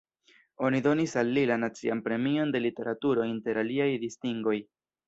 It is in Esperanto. Oni donis al li la Nacian Premion de Literaturo inter aliaj distingoj.